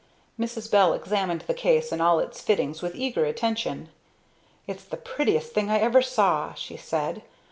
Mrs. Bell examined the case and all its fittings with eager attention. "It's the prettiest thing I ever saw," she said.